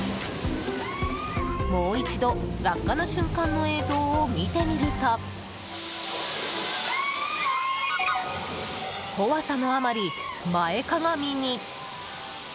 もう一度落下の瞬間の映像を見てみると怖さのあまり、前かがみに。